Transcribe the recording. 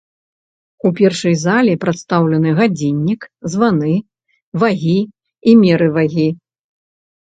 У першай зале прадстаўлены гадзіннік, званы, вагі і меры вагі.